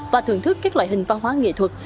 và thưởng thức các loại hình văn hóa nghệ thuật